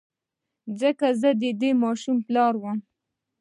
ځکه زه د دې ماشوم پلار وم.